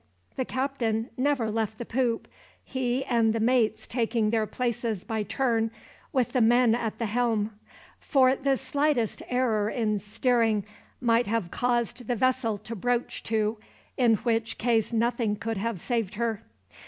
The captain never left the poop he and the mates taking their places, by turn, with the men at the helm; for the slightest error in steering might have caused the vessel to broach to, in which case nothing could have saved her.